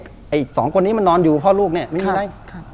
ไอ้สองคนนี้มันนอนอยู่พ่อลูกเนี่ยไม่มีอะไร